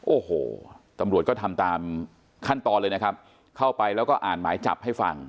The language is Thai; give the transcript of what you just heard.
โอ้โหตำรวจก็ทำตามขั้นตอนเลยนะครับเข้าไปแล้วก็อ่านหมายจับให้ฟัง